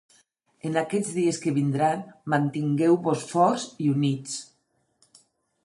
En aquests dies que vindran, mantingueu-vos forts i units.